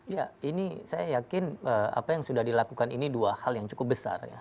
ya ini saya yakin apa yang sudah dilakukan ini dua hal yang cukup besar ya